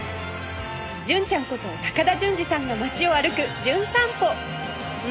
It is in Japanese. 純ちゃんこと高田純次さんが街を歩く『じゅん散歩』